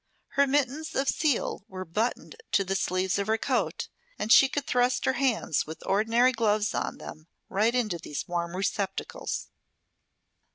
Her mittens of seal were buttoned to the sleeves of her coat, and she could thrust her hands, with ordinary gloves on them, right into these warm receptacles.